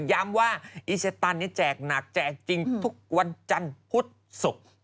ย้ำว่าอีเซตันแจกหนักแจกจริงทุกวันจันทร์พุธศุกร์